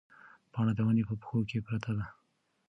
پاڼه د ونې په پښو کې پرته ده.